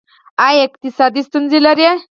ایا اقتصادي ستونزې لرئ؟